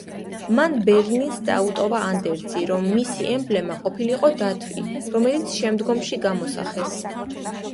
მან ბერლინს დაუტოვა ანდერძი, რომ მისი ემბლემა ყოფილიყო დათვი, რომელიც შემდგომში გამოსახეს ბერლინის გერბზე.